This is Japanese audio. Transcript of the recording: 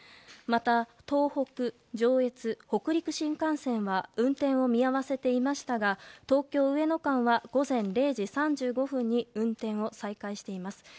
また、東北、上越、北陸新幹線は運転を見合わせていましたが東京上野間は午前０時３５分に運転を再開しています。